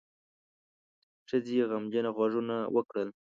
ښځې غمجنه غږونه وکړل.